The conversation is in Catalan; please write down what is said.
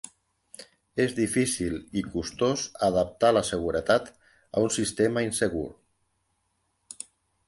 És difícil i costós adaptar la seguretat a un sistema insegur.